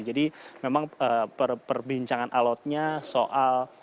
jadi memang perbincangan alotnya soal